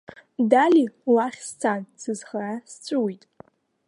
Дали лахь сцан, сызхара сҵәыуеит.